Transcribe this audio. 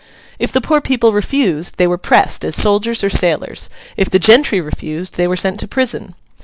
If the poor people refused, they were pressed as soldiers or sailors; if the gentry refused, they were sent to prison.